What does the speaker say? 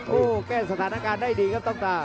โอ้โหแก้สถานการณ์ได้ดีครับต้องตา